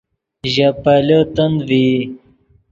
ژے پیلے تند ڤئی